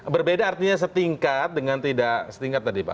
berbeda artinya setingkat dengan tidak setingkat tadi pak